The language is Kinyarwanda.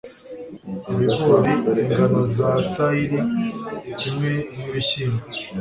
ibigori ingano za sayiri kimwe nibishyimbo